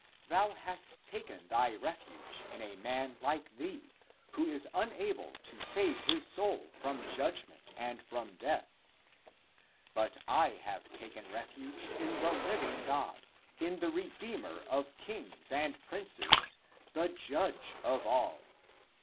Thou hast taken thy refuge in a man like thee, who ACTS OF THOMAS 339 is unable to save his soul from judgment and from death; but I have taken refuge in the living God, in the Redeemer of kings and princes, the Judge of all.